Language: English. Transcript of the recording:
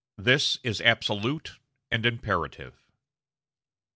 This is absolute and imperative."